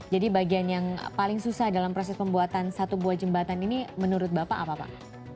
jadi bagian yang paling susah dalam proses pembuatan satu buah jembatan ini menurut bapak apa pak